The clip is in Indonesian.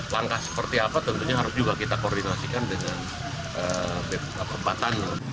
langkah seperti apa tentunya harus juga kita koordinasikan dengan perempatan